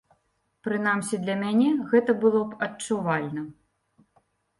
Прынамсі, для мяне гэта было б адчувальна.